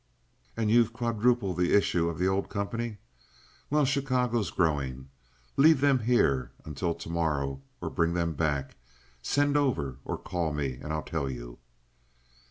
"And you've quadrupled the issue of the old company? Well, Chicago's growing. Leave them here until to morrow or bring them back. Send over or call me, and I'll tell you."